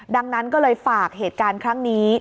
ดังนั้นก็เลยฝากเหตุการณ์ครั้งนี้